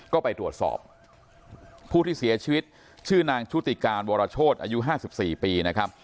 ก็ไปตรวจสอบผู้ที่เสียชีวิตชื่อนางชุติการวรโชธอายุ๕๔ปีนะครับ